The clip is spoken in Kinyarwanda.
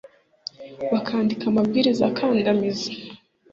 bakandika amabwiriza akandamiza,